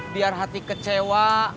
biar hati kecewa